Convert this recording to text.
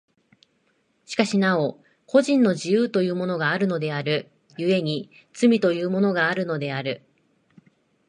しかしなお個人の自由というものがあるのである、故に罪というものがあるのである。